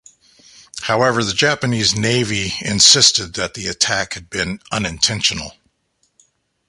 However, the Japanese navy insisted that the attack had been unintentional.